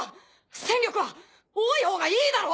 戦力は多いほうがいいだろ！